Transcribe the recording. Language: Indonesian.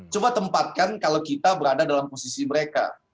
coba tempatkan kalau kita berada dalam posisi mereka